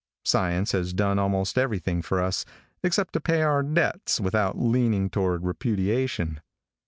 Science has done almost everything for us, except to pay our debts without leaning toward repudiation.